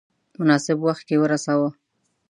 مناسب وخت کې ورساوه.